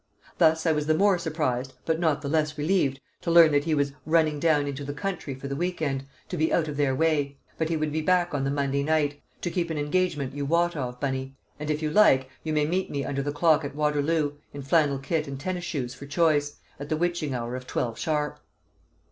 Thus I was the more surprised, but not the less relieved, to learn that he was "running down into the country for the weekend, to be out of their way"; but he would be back on the Monday night, "to keep an engagement you wot of, Bunny. And if you like you may meet me under the clock at Waterloo (in flannel kit and tennis shoes for choice) at the witching hour of twelve sharp."